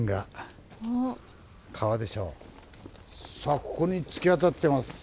さあここに突き当たってます。